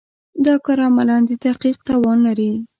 دا کار عملاً د تحقق توان لري.